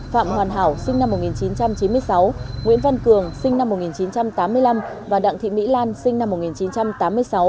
phạm hoàn hảo sinh năm một nghìn chín trăm chín mươi sáu nguyễn văn cường sinh năm một nghìn chín trăm tám mươi năm và đặng thị mỹ lan sinh năm một nghìn chín trăm tám mươi sáu